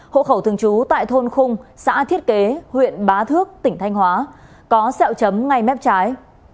hộ khẩu thường trú tại thôn khung xã thiết kế huyện bá thước tỉnh thanh hóa có sẹo chấm ngay mép trái